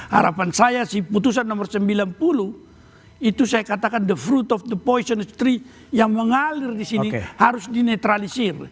harapan saya sih putusan nomor sembilan puluh itu saya katakan the fruit of the poition tiga yang mengalir di sini harus dinetralisir